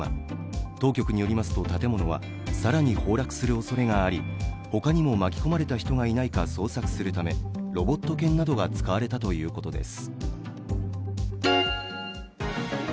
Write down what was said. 当局によりますと建物は更に崩落するおそれがあり、他にも巻き込まれた人がいないか捜索するためロボット犬などが使われたということです。